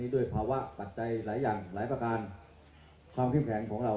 เมืองอัศวินธรรมดาคือสถานที่สุดท้ายของเมืองอัศวินธรรมดา